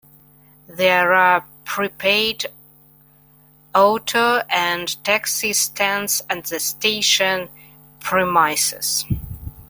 There are prepaid auto and taxi stands at the station premises.